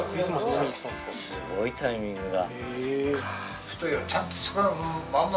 すごいタイミングだ。